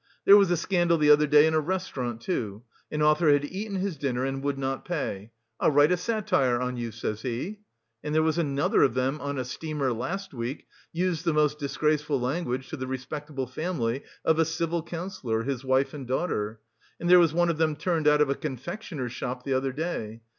"There was a scandal the other day in a restaurant, too. An author had eaten his dinner and would not pay; 'I'll write a satire on you,' says he. And there was another of them on a steamer last week used the most disgraceful language to the respectable family of a civil councillor, his wife and daughter. And there was one of them turned out of a confectioner's shop the other day.